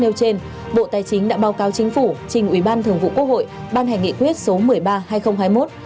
nếu trên bộ tài chính đã báo cáo chính phủ trình ubthqh ban hành nghị quyết số một mươi ba hai nghìn hai mươi một